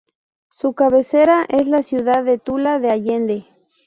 Su cabecera es la ciudad de Tula de Allende.